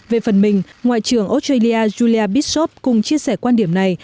về phần mình ngoại trưởng australia julia bitsov cùng chia sẻ quan điểm này